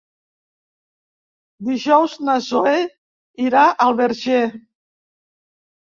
Dijous na Zoè irà al Verger.